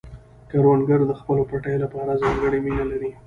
کروندګر د خپلو پټیو لپاره ځانګړې مینه لري